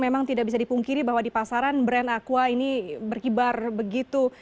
memang tidak bisa dipungkiri bahwa di pasaran brand aqua ini berkibar begitu